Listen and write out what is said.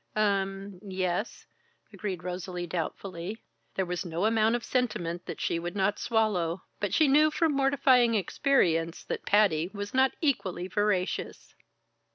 "Um yes," agreed Rosalie, doubtfully. There was no amount of sentiment that she would not swallow, but she knew from mortifying experience that Patty was not equally voracious.